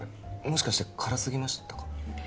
もしかして辛すぎましたか？